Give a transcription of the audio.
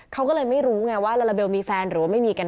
เขาก็เลยไม่รู้ไงว่าลาลาเบลมีแฟนหรือว่าไม่มีกัน